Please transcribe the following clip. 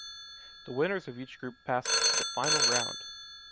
The winners of each group passed to the final round.